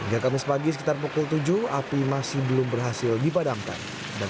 hingga kamis pagi sekitar pukul tujuh api masih belum berhasil dipadamkan